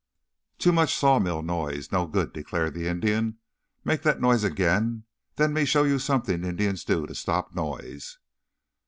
"Too much saw mill noise no good," declared the Indian. "Make that noise again, then me show you something Indians do to stop noise."